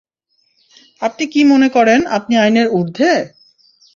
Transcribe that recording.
আপনি কি মনে করেন আপনি আইনের ঊর্ধ্বে?